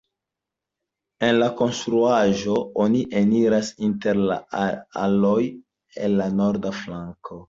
En la konstruaĵon oni eniras inter la aloj el la norda flanko.